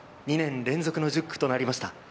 ２年連続の１０区となりました。